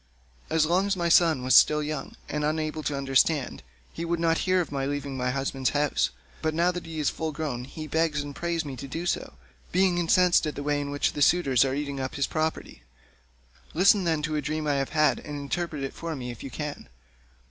As long as my son was still young, and unable to understand, he would not hear of my leaving my husband's house, but now that he is full grown he begs and prays me to do so, being incensed at the way in which the suitors are eating up his property. Listen, then, to a dream that I have had and interpret it for me if you can.